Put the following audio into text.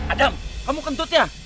adam kamu kentut ya